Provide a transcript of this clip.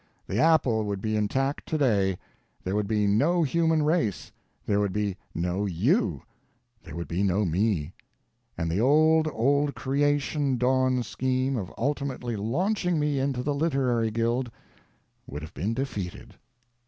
The apple would be intact today; there would be no human race; there would be no YOU; there would be no me. And the old, old creation dawn scheme of ultimately launching me into the literary guild would have been defeated.